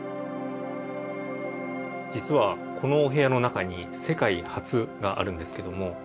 実はこのお部屋の中に世界初があるんですけども。